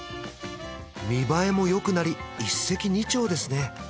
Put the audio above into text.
見栄えもよくなり一石二鳥ですね